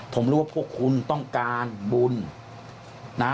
ผมรู้ว่าพวกคุณต้องการบุญนะ